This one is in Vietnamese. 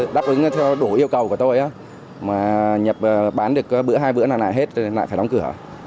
đáp ứng theo đủ yêu cầu của tôi mà nhập bán được bữa hai bữa nào này hết lại phải đóng cửa